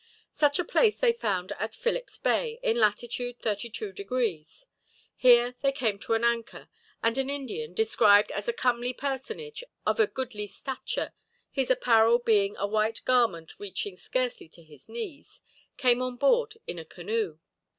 Such a place they found at Philip's Bay, in latitude 32 degrees. Here they came to an anchor; and an Indian, described as a comely personage of a goodly stature, his apparel being a white garment reaching scarcely to his knees, came on board in a canoe.